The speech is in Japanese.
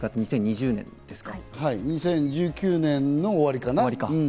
２０１９年の終わりかな？